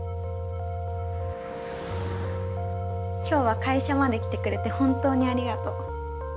今日は会社まで来てくれて本当にありがとう。